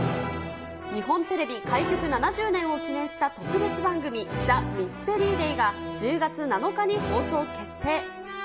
日本テレビ開局７０年を記念した特別番組、ＴＨＥＭＹＳＴＥＲＹＤＡＹが、１０月７日に放送決定。